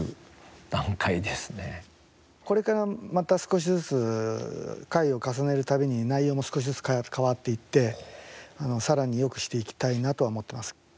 これから、また少しずつ回を重ねる度に内容も少しずつ変わっていってさらによくしていきたいなとは思ってます。